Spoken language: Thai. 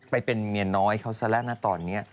ไปเป็นเมียน้อยเขาซะแล้วนะตอนนี้